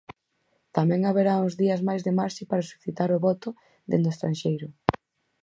Tamén haberá uns días máis de marxe para solicitar o voto dende o estranxeiro.